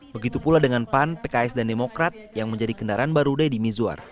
begitu pula dengan pan pks dan demokrat yang menjadi kendaraan baru deddy mizwar